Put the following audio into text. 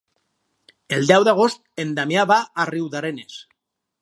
El deu d'agost en Damià va a Riudarenes.